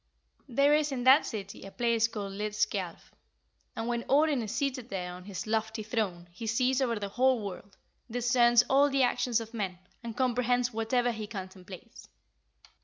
There is in that city a place called Hlidskjalf, and when Odin is seated there on his lofty throne he sees over the whole world, discerns all the actions of men, and comprehends whatever he contemplates.